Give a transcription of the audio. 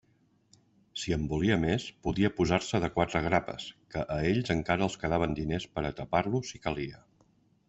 Si en volia més, podia posar-se de quatre grapes, que a ells encara els quedaven diners per a tapar-lo, si calia.